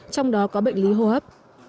trong đó có bệnh lý hô hấp